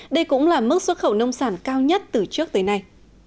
đây cũng là mức xuất khẩu nông sản cao nhất từ trước tới nay